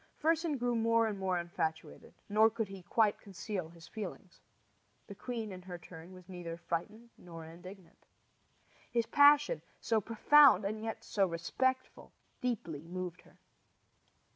Fersen grew more and more infatuated, nor could he quite conceal his feelings. The queen, in her turn, was neither frightened nor indignant. His passion, so profound and yet so respectful, deeply moved her.